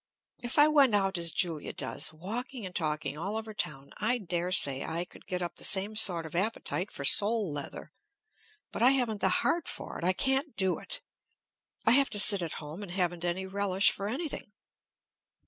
If I went out as Julia does, walking and talking all over town, I daresay I could get up the same sort of appetite for sole leather. But I haven't the heart for it. I can't do it. I have to sit at home and haven't any relish for anything.